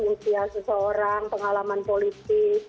pengusia seseorang pengalaman politik